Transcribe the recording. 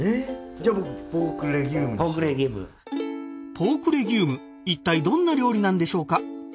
ポークレギュームいったいどんな料理なんでしょうか？